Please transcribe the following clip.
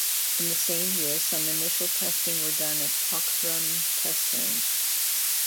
In the same year some initial testing were done at Pokhran Test Range.